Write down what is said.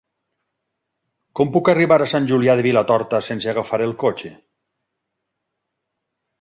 Com puc arribar a Sant Julià de Vilatorta sense agafar el cotxe?